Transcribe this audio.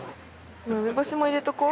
梅干しも入れとこう。